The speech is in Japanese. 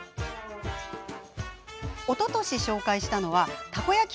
おととし紹介したのはたこ焼き